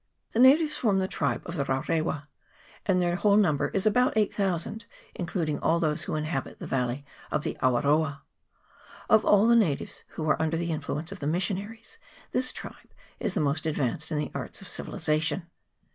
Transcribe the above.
The natives form the tribe of the Rarewa, and their whole number is about 8000, including all those who inhabit the valley of the A waroa. Of all the natives who are under the influence of the missionaries, this tribe is the most advanced in the arts of civilization.